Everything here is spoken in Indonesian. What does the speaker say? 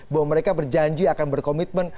bahwa mereka berjanji akan berkomitmen